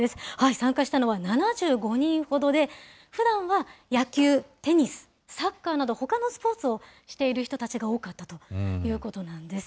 参加したのは７５人ほどで、ふだんは野球、テニス、サッカーなど、ほかのスポーツをしている人たちが多かったということなんです。